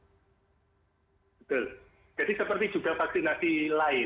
jadi seperti juga vaksinasi lain jenis lain